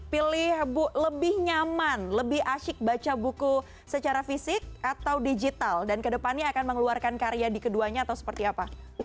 pilih bu lebih nyaman lebih asyik baca buku secara fisik atau digital dan kedepannya akan mengeluarkan karya di keduanya atau seperti apa